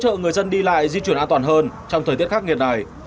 hỗ trợ người dân đi lại di chuyển an toàn hơn trong thời tiết khắc nghiệt này